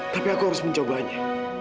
tapi aku harus mencobanya